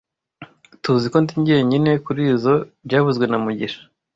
Tuziko ndi jyenyine kurizoi byavuzwe na mugisha